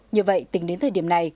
như vậy tính đến thời điểm này